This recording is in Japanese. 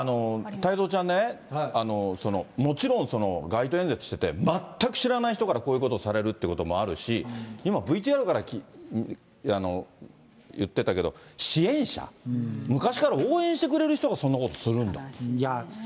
太蔵ちゃんね、もちろん街頭演説してて、全く知らない人からこういうことをされるってこともあるし、今、ＶＴＲから言ってたけど、支援者、昔から応援してくれる人がそんなことするんだ。